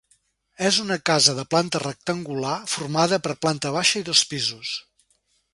És una casa de planta rectangular formada per planta baixa i dos pisos.